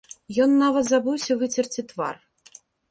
Ён нават забыўся выцерці твар.